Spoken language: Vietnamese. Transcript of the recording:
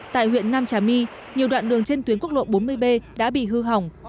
tại huyện nam trà my nhiều đoạn đường trên tuyến quốc lộ bốn mươi b đã bị hư hỏng